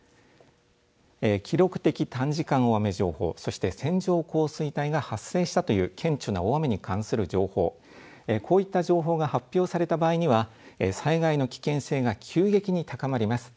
記録的短時間大雨情報そして線状降水帯が発生したという顕著な大雨に関する情報、こういった情報が発表された場合には災害の危険性が急激に高まります。